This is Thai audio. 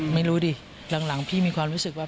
ไม่รู้ดิหลังพี่มีความรู้สึกว่า